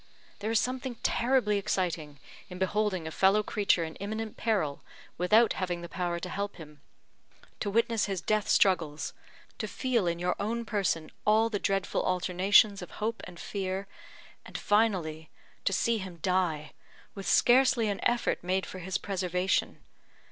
There is something terribly exciting in beholding a fellow creature in imminent peril, without having the power to help him. To witness his death struggles to feel in your own person all the dreadful alternations of hope and fear and, finally, to see him die, with scarcely an effort made for his preservation.